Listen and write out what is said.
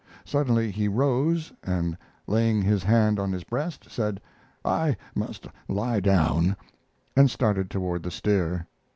Suddenly he rose, and laying his hand on his breast said, "I must lie down," and started toward the stair.